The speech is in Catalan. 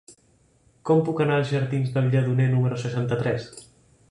Com puc anar als jardins del Lledoner número seixanta-tres?